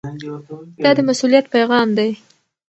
دا د مسؤلیت پیغام دی.